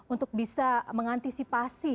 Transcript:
untuk bisa mengantisipasi